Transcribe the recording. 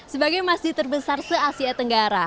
sebagai masjid terbesar se asia tenggara